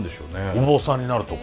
お坊さんになるとか？